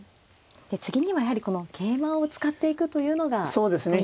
で次にはやはりこの桂馬を使っていくというのがポイントなんですね。